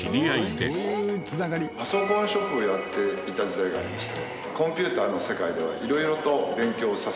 パソコンショップをやっていた時代がありました。